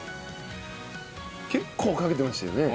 結構かけてましたよね。